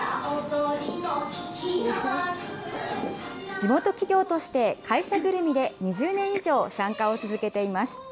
地元企業として会社ぐるみで２０年以上、参加を続けています。